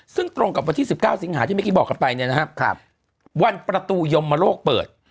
ซึ่งตรงกับวันที่๑๙สิงหาที่เมกิบอกกันไปวันประตูยมโลกเปิด